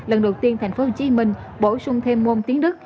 lần đầu tiên tp hcm bổ sung thêm môn tiếng đức